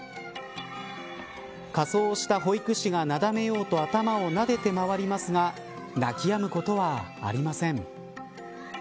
仮装した保育士が、なだめようと頭をなでて回りますが泣きやむことはありません。